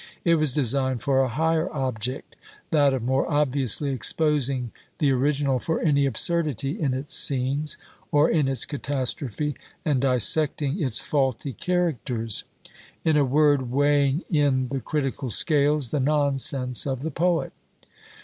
It was designed for a higher object, that of more obviously exposing the original for any absurdity in its scenes, or in its catastrophe, and dissecting its faulty characters; in a word, weighing in the critical scales the nonsense of the poet.